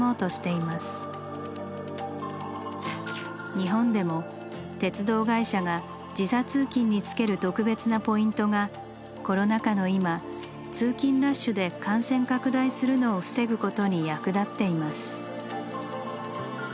日本でも鉄道会社が時差通勤につける特別なポイントがコロナ禍の今通勤ラッシュで感染拡大するのを防ぐことに役立っています。